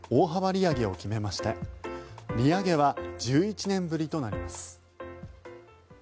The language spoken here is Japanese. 利上げは１１年ぶりとなります。